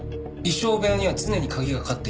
衣装部屋には常に鍵がかかっていた。